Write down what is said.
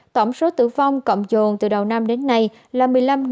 tổng số tử phong cộng dồn từ đầu năm đến nay là một mươi năm tám trăm ba mươi hai